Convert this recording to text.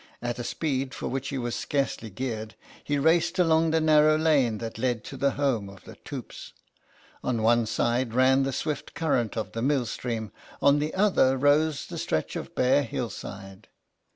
At a speed for which he was scarcely geared he raced along the narrow lane that led to the home of the Toops. On one side ran the swift current of the mill stream, on the other rose the stretch of bare hillside.